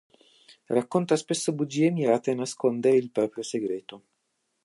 Racconta spesso bugie mirate a nascondere il proprio segreto.